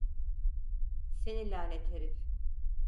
Seni lanet herif!